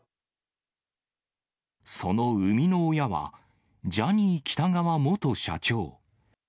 その生みの親はジャニー喜多川元社長。